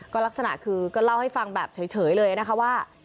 ก็ลักษณะคือก็เล่าให้ฟังแบบเฉยเลยนะคะว่า